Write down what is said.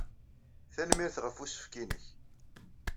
Tanemmirt ɣef usefk-nnek.